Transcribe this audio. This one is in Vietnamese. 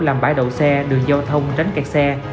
làm bãi đậu xe đường giao thông tránh kẹt xe